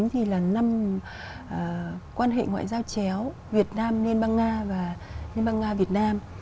thì là năm quan hệ ngoại giao chéo việt nam liên bang nga và liên bang nga việt nam